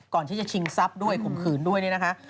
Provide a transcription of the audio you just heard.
ก่อนที่จะชิงทรัพย์ด้วยคมขืนด้วยเนี่ยนะคะ